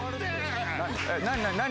何？